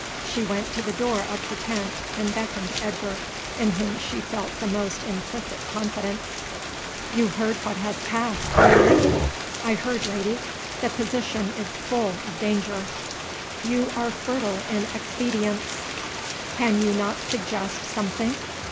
She went to the door of her tent and beckoned to Edgar, in whom she felt the most implicit confidence. "You heard what has passed, Muley?" "I heard, lady; the position is full of danger." "You are fertile in expedients. Can you not suggest some thing?